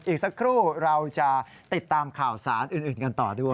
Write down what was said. อีกสักครู่เราจะติดตามข่าวสารอื่นกันต่อด้วย